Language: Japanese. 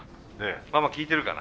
ママ聴いてるかな？